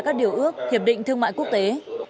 các điều ước hiệp định thương mại quốc tế